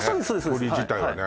鶏自体はね